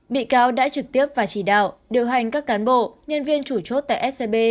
bị cáo đã trực tiếp và chỉ đạo điều hành các cán bộ nhân viên chủ chốt tại scb